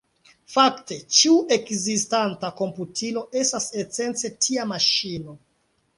Fakte, ĉiu ekzistanta komputilo estas esence tia maŝino.